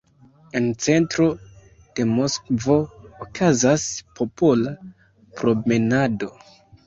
En centro de Moskvo okazas popola promenado.